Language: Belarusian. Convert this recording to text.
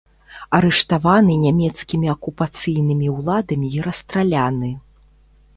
Арыштаваны нямецкімі акупацыйнымі ўладамі і расстраляны.